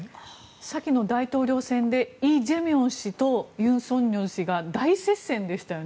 先の大統領選でイ・ジェミョン氏と尹錫悦氏が大接戦でしたよね。